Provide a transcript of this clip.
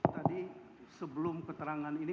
tadi sebelum keterangan ini